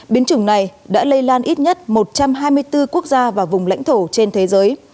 biến chủng này đã lây lan ít nhất một trăm hai mươi bốn quốc gia và vùng lãnh thổ trên thế giới